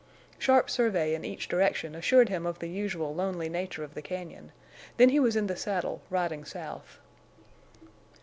Sharp survey in each direction assured him of the usual lonely nature of the cañon, then he was in the saddle, riding south.